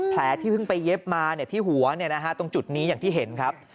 แผลที่เพิ่งไปเย็บมาที่หัวตรงจุดนี้อย่างที่เห็นครับ